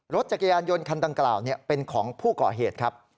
รถจักรยานยนต์คันดังกล่าวเป็นของผู้ก่อเหตุครับ